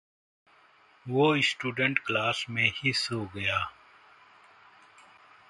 वो student class में ही सो गया।